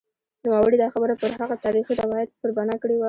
نوموړي دا خبره پر هغه تاریخي روایت پر بنا کړې وه.